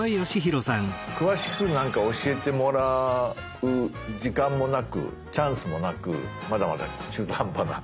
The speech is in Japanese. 詳しくなんか教えてもらう時間もなくチャンスもなくまだまだ中途半端な。